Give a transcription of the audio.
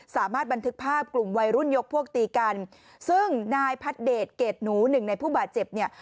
สามารถบันทึกภาพกลุ่มวัยรุ่นยกพวกตีกันซึ่งนายพัดเดชเกรดหนูหนึ่งในผู้บาดเจ็บเนี่ย